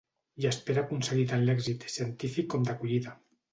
I espera aconseguir tan l’èxit científic com d’acollida.